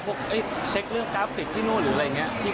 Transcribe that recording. ทำให้พวกเช็คเรื่องกราฟฟิกที่นู่นหรืออะไรอย่างนี้